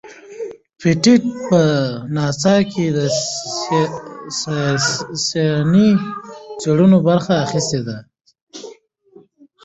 پېټټ په ناسا کې د ساینسي څیړنو برخه اخیستې.